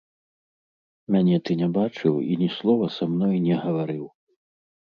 Мяне ты не бачыў і ні слова са мной не гаварыў.